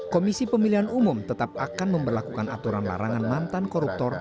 komisi pemilihan umum tetap akan memperlakukan aturan larangan mantan koruptor